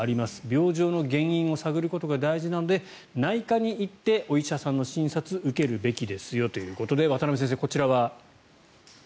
病状の原因を探ることが大事なので内科に行ってお医者さんの診察を受けるべきですよということで渡邊先生、こちらは。